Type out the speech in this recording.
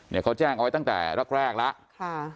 เนี่ยเขาแจ้งเอาไว้ตั้งแต่รักแรกแล้ว